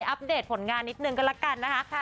อัพเดทผลงานนิดนึงก็ละกันนะคะ